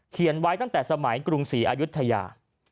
ไว้ตั้งแต่สมัยกรุงศรีอายุทยา